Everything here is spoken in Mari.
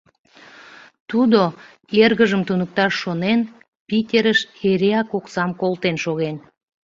Тудо, эргыжым туныкташ шонен, Питерыш эреак оксам колтен шоген.